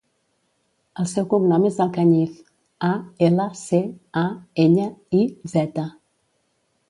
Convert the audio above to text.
El seu cognom és Alcañiz: a, ela, ce, a, enya, i, zeta.